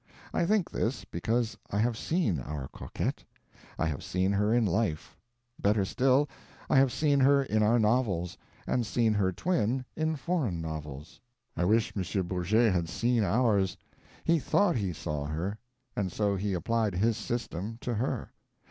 I think this because I have seen our coquette; I have seen her in life; better still, I have seen her in our novels, and seen her twin in foreign novels. I wish M. Bourget had seen ours. He thought he saw her. And so he applied his System to her.